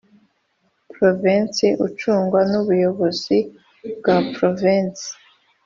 Provensi ucungwa n ubuyobozi bwa Provensi